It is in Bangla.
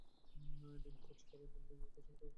ডিম পোচ করার সময় ডিম ভেঙে কুসুম টুথপিক দিয়ে ফুটো করে দিন।